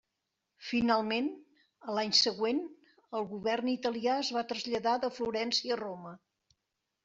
Finalment, a l'any següent el govern italià es va traslladar de Florència a Roma.